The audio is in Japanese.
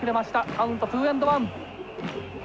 カウントツーエンドワン。